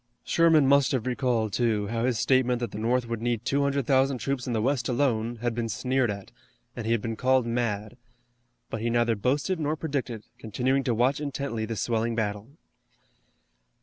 Sherman must have recalled, too, how his statement that the North would need 200,000 troops in the west alone had been sneered at, and he had been called mad. But he neither boasted nor predicted, continuing to watch intently the swelling battle.